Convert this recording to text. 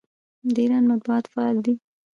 د ایران مطبوعات فعال دي.